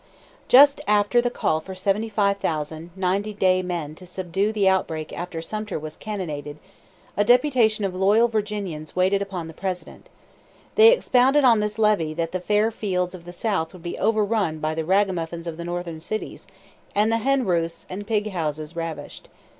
Just after the call for seventy five thousand ninety day men to subdue the outbreak after Sumter was cannonaded, a deputation of loyal Virginians waited upon the President. They expounded on this levy that the fair fields of the South would be overrun by the ragamuffins of the Northern cities, and the hen roosts and pig houses ravished, etc.